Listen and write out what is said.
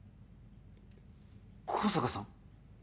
香坂さん？